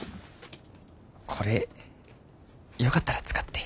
これよかったら使って。